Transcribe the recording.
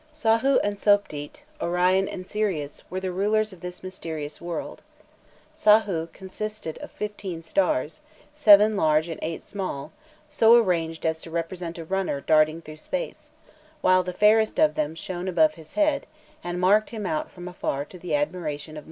Sahû and Sopdît, Orion and Sirius, were the rulers of this mysterious world. Sahû consisted of fifteen stars, seven large and eight small, so arranged as to represent a runner darting through space, while the fairest of them shone above his head, and marked him out from afar to the admiration of mortals.